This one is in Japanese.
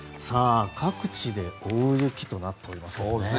各地で大雪となっていますね。